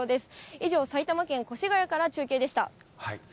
以上、埼玉県越谷から中継でした。